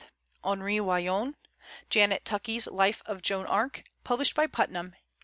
Henri Wallon; Janet Tuckey's Life of Joan of Arc, published by Putnam, 1880.